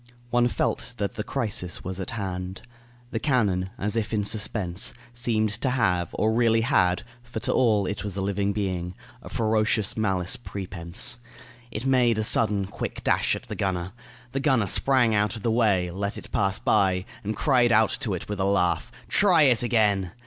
One felt that the crisis was at hand. The cannon, as if in suspense, seemed to have, or really had for to all it was a living being a ferocious malice prepense. It made a sudden, quick dash at the gunner. The gunner sprang out of the way, let it pass by, and cried out to it with a laugh, "Try it again!"